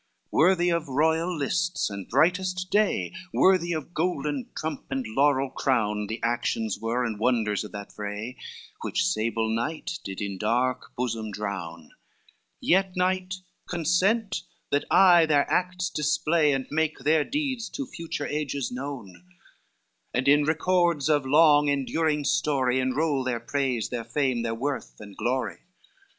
LIV Worthy of royal lists and brightest day, Worthy a golden trump and laurel crown, The actions were and wonders of that fray Which sable knight did in dark bosom drown: Yet night, consent that I their acts display And make their deeds to future ages known, And in records of long enduring story Enrol their praise, their fame, their worth and glory.